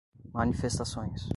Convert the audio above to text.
manifestações